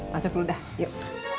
masuk dulu dah yuk